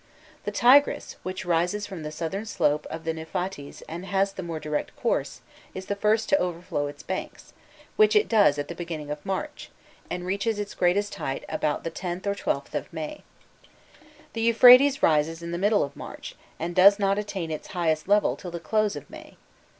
The Tigris, which rises from the southern slope of the Niphates and has the more direct course, is the first to overflow its banks, which it does at the beginning of March, and reaches its greatest height about the 10th or 12th of May. The Euphrates rises in the middle of March, and does not attain its highest level till the close of May.